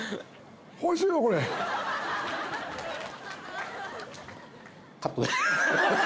おいしいよこれ」「カットで。